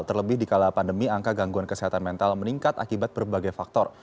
terlebih di kala pandemi angka gangguan kesehatan mental meningkat akibat berbagai faktor